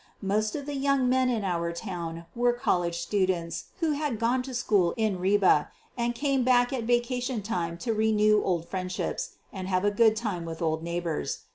Most of the young men in our town were college students who had gone to school in Ribe and came back at vacation time to renew old friendships and have a good time with old neighbors.